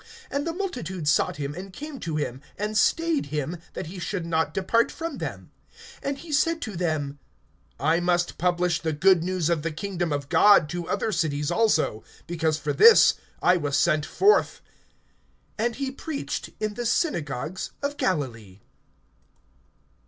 And the multitudes sought him, and came to him, and stayed him, that he should not depart from them. (43)And he said to them: I must publish the good news of the kingdom of God to other cities also; because for this I was sent forth. (44)And he preached in the synagogues of Galilee.